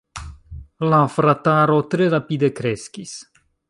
La frataro tre rapide kreskis.